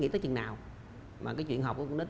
nghỉ tới chừng nào mà cái chuyện học của con nít